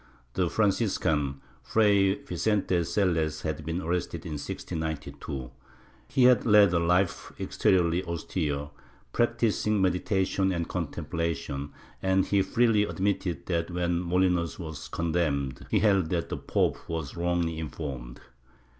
The Franciscan, Fray Vicente Selles, had been arrested in 1692. He had led a life exteriorly austere, practising meditation and contemplation, and he freely admitted that when Molinos was condemned he held that the pope was wrongly informed.